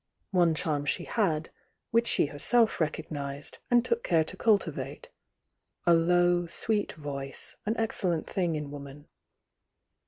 One charm she had, which she herself recognised and took care to cultivate— "a low, sweet voice, an ex ceUent thing in woman."